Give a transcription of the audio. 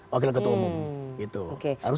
wakil ketua umum